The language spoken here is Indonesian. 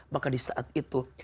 maka disaat itu